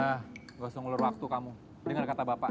sudah tidak usah mengulur waktu kamu dengar kata bapak